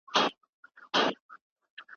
استاد به شاګرد ته ګټور ماخذونه وښيي.